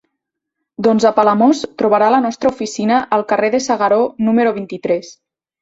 Doncs a Palamós trobarà la nostra oficina al carrer de s'Agaró número vint-i-tres.